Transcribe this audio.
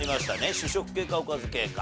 主食系かおかず系か。